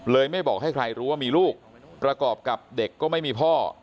ไม่บอกให้ใครรู้ว่ามีลูกประกอบกับเด็กก็ไม่มีพ่อ